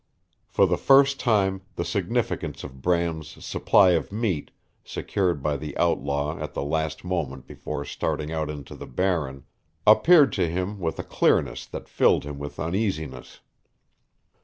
For the first time the significance of Bram's supply of meat, secured by the outlaw at the last moment before starting out into the Barren, appeared to him with a clearness that filled him with uneasiness.